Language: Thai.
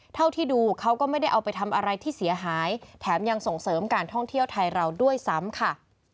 เท่าที่ดูเขาก็ไม่ได้เอาไปทำอะไรที่เสียหายแถมยังส่งเสริมการท่องเที่ยวไทยเราด้วยซ้ำค่ะ